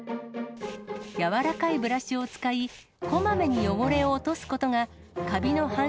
やわらかいブラシを使い、こまめに汚れを落とすことが、かびの繁